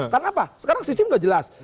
karena apa sekarang sistem sudah jelas